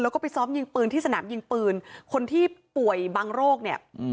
แล้วก็ไปซ้อมยิงปืนที่สนามยิงปืนคนที่ป่วยบางโรคเนี่ย